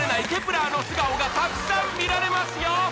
１ｅｒ の素顔がたくさん見られますよ